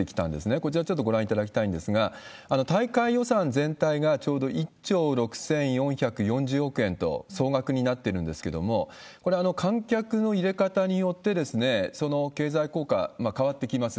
こちら、ちょっとご覧いただきたいんですが、大会予算全体がちょうど１兆６４４０億円と総額になってるんですけれども、これ、観客の入れ方によって、その経済効果、変わってきます。